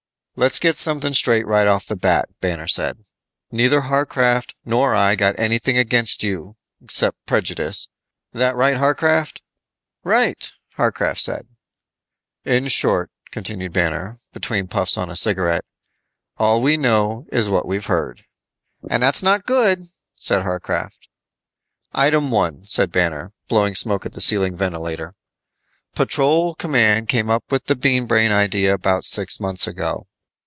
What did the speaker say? "Let's get something straight right off the bat," Banner said. "Neither Warcraft nor I got anything against you 'cept prejudice. That right, Warcraft?" "Right," Warcraft said. "In short," continued Banner, between puffs on a cigarette, "all we know is what we've heard." "And that's not good," said Warcraft. "Item one," said Banner, blowing smoke at the ceiling ventilator. "Patrol Command came up with the Bean Brain idea about six months ago.